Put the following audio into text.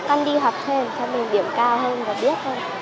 con đi học thêm theo mình điểm cao hơn và biết hơn